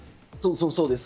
そうです。